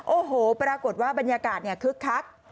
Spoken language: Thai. โอ้โหปรากฏว่าบรรยากาศคึกคัก